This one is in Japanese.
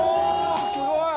すごい！」